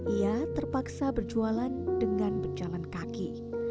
ia terpaksa berjualan dengan berjalan kaki